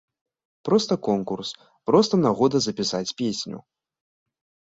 Проста конкурс, проста нагода запісаць песню.